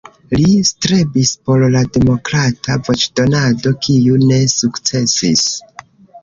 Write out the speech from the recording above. Li strebis por la demokrata voĉdonado, kiu ne sukcesis.